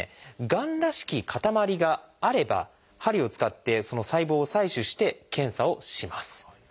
がんらしき塊があれば針を使ってその細胞を採取して検査をします。